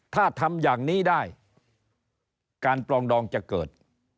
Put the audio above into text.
ถ้าทำอย่างนี้ได้การปรองดองจะเกิด